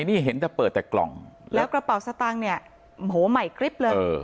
นี่เห็นแต่เปิดแต่กล่องแล้วกระเป๋าสตางค์เนี่ยโอ้โหใหม่กริ๊บเลย